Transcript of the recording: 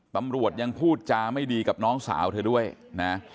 ตำรวจยังพูดจาไม่ดีกับน้องสาวเธอด้วยนะ